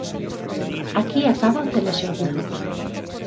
Aquí acaba o telexornal.